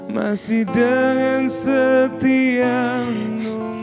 masih dengan setiamu